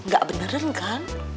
enggak beneran kan